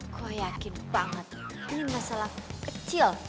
gue yakin banget ini masalah kecil